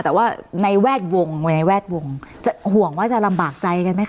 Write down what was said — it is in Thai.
แต่ว่าในแวดวงในแวดวงว่าจะลำบากใจกันไหมค